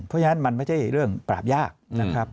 เพราะฉะนั้นมันไม่ใช่เรื่องปราบยากนะครับ